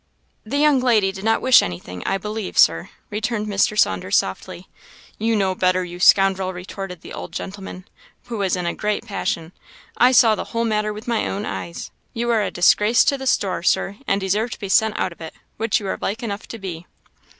"The young lady did not wish anything, I believe, Sir," returned Mr. Saunders, softly. "You know better, you scoundrel!" retorted the old gentleman, who was in a great passion; "I saw the whole matter with my own eyes. You are a disgrace to the store, Sir, and deserve to be sent out of it, which you are like enough to be."